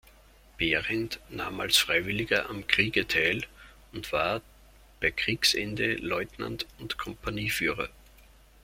Berend nahm als Freiwilliger am Kriege teil und war bei Kriegsende Leutnant und Kompanieführer.